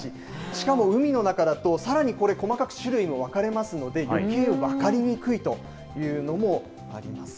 しかも海の中だと、さらにこれ、細かく種類も分かれますので、よけい分かりにくいというのもあります。